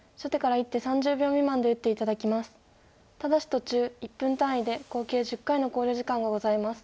ただし途中１分単位で合計１０回の考慮時間がございます。